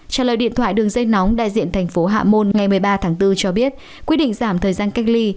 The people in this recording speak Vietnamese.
trả lời điện thoại đường dây nóng đại diện thành phố hạ môn ngày một mươi ba tháng bốn cho biết quy định giảm thời gian cách ly